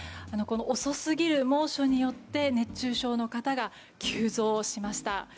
遅すぎる猛暑によって熱中症の方が急増しました。